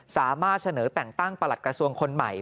สามารถเสนอแต่งตั้งประหลัดกระทรวงคนใหม่